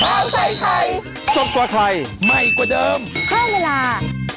ข้าวใส่ไทยสดกว่าไทยใหม่กว่าเดิมเพิ่มเวลา